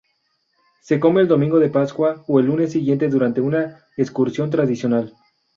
Se come el domingo de Pascua o el lunes siguiente durante una excursión tradicional.